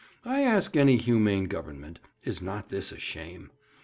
I ask any humane government, is not this a shame?